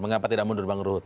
mengapa tidak mundur bang ruhut